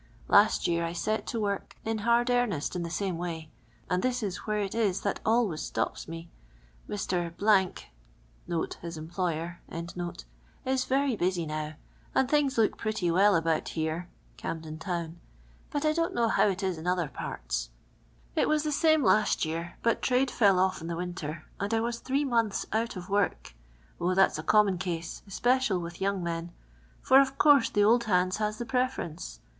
Last ywir I set to m <irk in hard earnest in the lame waj, and this is where it is that always stops me. Mr. [his em ploycr] is very busy now, and things look pretty well about here [Onmdrn townJ, but I don't know how it is in other part«. It was the same last year, but trade fell off in the winter, and I was three months out of work. 0, that 's a common case, especial with ycur.g men, for of course the old hands has the preference.